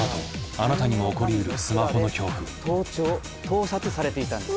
盗聴盗撮されていたんです。